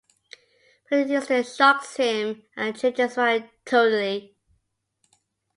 But an incident shocks him and changes his mind totally.